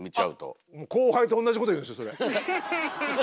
あっ後輩と同じこと言うんですよそれ。